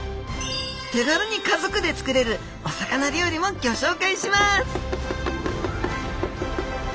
手軽に家族で作れるお魚料理もギョ紹介します！